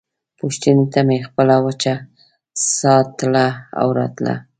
پوښتنې ته مې خپله وچه ساه تله او راتله.